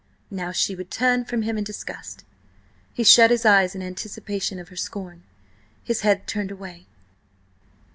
Now she would turn from him in disgust. He shut his eyes in anticipation of her scorn, his head turned away.